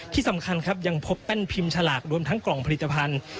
ที่สำคัญครับยังพบแป้นพิมพ์ฉลากรวมทั้งกล่องผลิตภัณฑ์